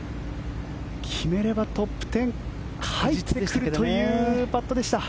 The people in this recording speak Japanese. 決めればトップ１０入ってくるというパットでした。